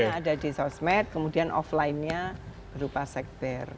polanya ada di sosmed kemudian offline nya berupa segbar